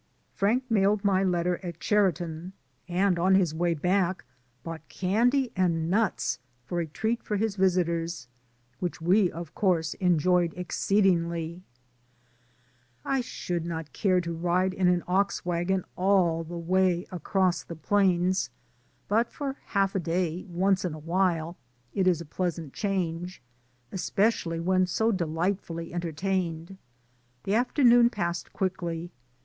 Frank mailed my letter at Chara ton, and on his way back bought candy and nuts for a treat for his visitors, which we, of course, enjoyed exceedingly. DAYS ON THE ROAD. 33 I should not care to ride in an ox wagon all the way across the plains, but for half a day, once in a while, it is a pleasant change, especially when so delightfully entertained. The afternoon passed quickly.